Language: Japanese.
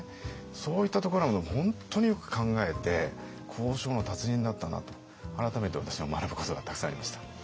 そういったところを本当によく考えて交渉の達人だったなと改めて私は学ぶことがたくさんありました。